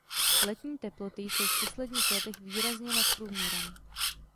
Letní teploty jsou v posledních letech výrazně nad průměrem.